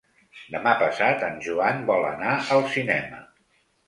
Demà passat en Joan vol anar al cinema.